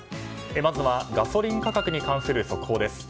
まずはガソリン価格に関する速報です。